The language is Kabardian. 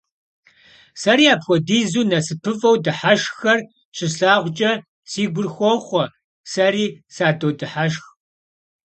Seri, apxuedizu nasıpıf'eu dıheşşxxer şıslhağuç'e, si gur xoxhue, seri sadodıheşşx.